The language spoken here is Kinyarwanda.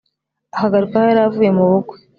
akagaruka aho yari avuye mu bukwe